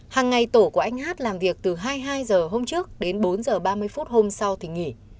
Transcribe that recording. hàng ngày tổ của anh hát làm việc từ hai mươi hai h hôm trước đến bốn h ba mươi phút hôm sau thì nghỉ